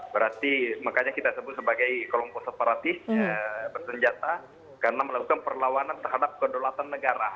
berarti makanya kita sebut sebagai kelompok separatis bersenjata karena melakukan perlawanan terhadap kedolatan negara